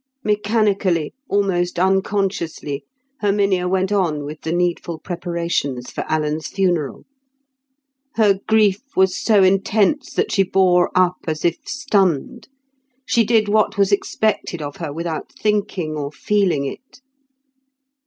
Mechanically, almost unconsciously, Herminia went on with the needful preparations for Alan's funeral. Her grief was so intense that she bore up as if stunned; she did what was expected of her without thinking or feeling it.